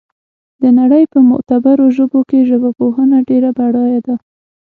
د نړۍ په معتبرو ژبو کې ژبپوهنه ډېره بډایه ده